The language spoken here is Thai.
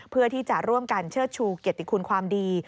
เพื่อที่จะร่วมกันเชิดชูเกียรติคุณความดี